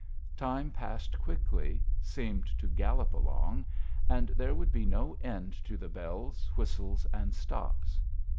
Time passed quickly, seemed to gallop along, and there would be no end to the bells, whistles, and stops.